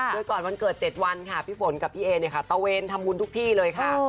โดยก่อนวันเกิด๗วันค่ะพี่ฝนกับพี่เอเนี่ยค่ะตะเวนทำบุญทุกที่เลยค่ะ